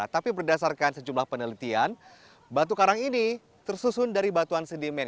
tapi berdasarkan sejumlah penelitian batu karang ini tersusun dari batuan sedimen